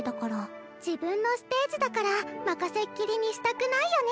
自分のステージだから任せっきりにしたくないよね。